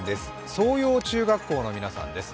相洋中学校の皆さんです。